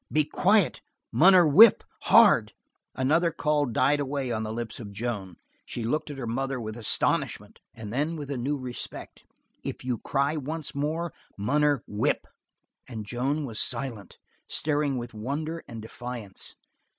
"Be quiet, Munner whip hard!" Another call died away on the lips of Joan. She looked at her mother with astonishment and then with a new respect. "If you cry once more, munner whip!" And Joan was silent, staring with wonder and defiance.